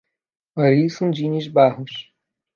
Arisson Diniz Barros